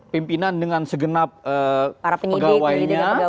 pimpinan dengan segenap pegawainya